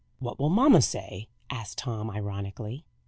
"What will mamma say?" asked Tom, ironically.